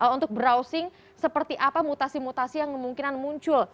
untuk browsing seperti apa mutasi mutasi yang kemungkinan muncul